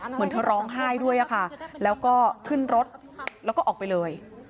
เหมือนเธอร้องไห้ด้วยค่ะแล้วก็ขึ้นรถแล้วก็ออกไปเลย